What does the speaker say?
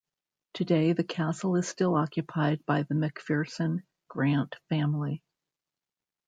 Today, the castle is still occupied by the Macpherson-Grant family.